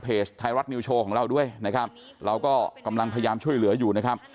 ไทยรัฐนิวโชว์ของเราด้วยนะครับเราก็กำลังพยายามช่วยเหลืออยู่นะครับ